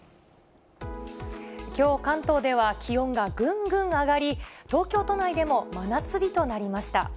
きょう、関東では気温がぐんぐん上がり、東京都内でも真夏日となりました。